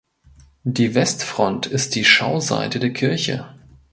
Die Westfront ist die Schauseite der Kirche.